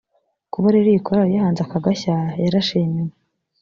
kuba rero iyi korali yahanze aka gashya yarashimiwe